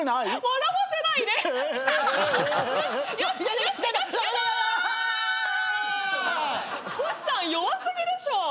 トシさん弱過ぎでしょ！